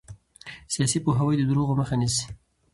سیاسي پوهاوی د دروغو مخه نیسي